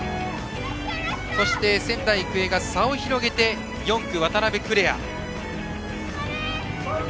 そして仙台育英が差を広げて４区、渡邉来愛。